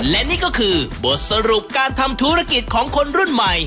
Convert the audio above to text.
และนี่ก็คือบทสรุปการทำธุรกิจของคนรุ่นใหม่